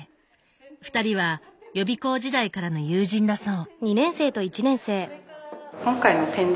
２人は予備校時代からの友人だそう。